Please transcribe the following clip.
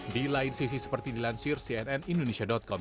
di lain sisi seperti dilansir cnnindonesia com